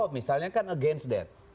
misalnya kan against that